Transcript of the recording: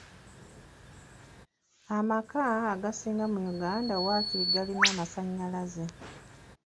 Amaka agasinga mu Uganda waakiri galina amasannyalaze.